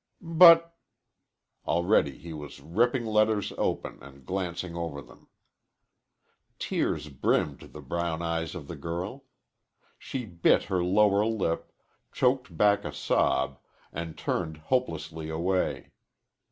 "But " Already he was ripping letters open and glancing over them. Tears brimmed the brown eyes of the girl. She bit her lower lip, choked back a sob, and turned hopelessly away.